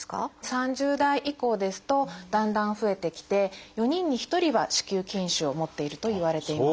３０代以降ですとだんだん増えてきて４人に１人は子宮筋腫を持っているといわれています。